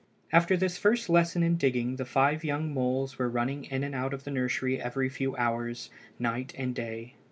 After this first lesson in digging the five young moles were running in and out of the nursery every few hours, night and day.